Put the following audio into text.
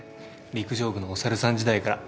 陸上部のお猿さん時代から。